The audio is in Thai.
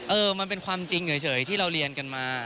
เออมันเป็นความจริงเฉยที่เราเรียนกันมา